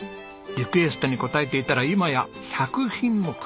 リクエストに応えていたら今や１００品目。